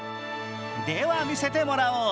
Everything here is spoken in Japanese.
では見せてもらおう。